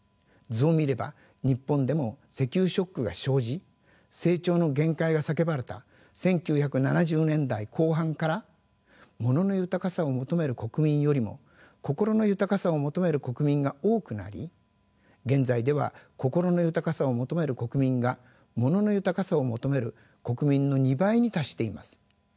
図を見れば日本でも石油ショックが生じ成長の限界が叫ばれた１９７０年代後半から物の豊かさを求める国民よりも心の豊かさを求める国民が多くなり現在では心の豊かさを求める国民が物の豊かさを求める国民の２倍に達しています。